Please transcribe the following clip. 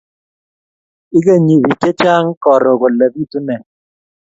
Ikenyi bik che chang koro kole pitu ne